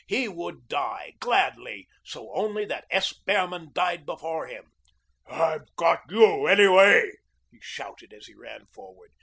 He would die, gladly, so only that S. Behrman died before him. "I've got YOU, anyway," he shouted, as he ran forward.